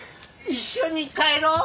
一緒に帰ろう。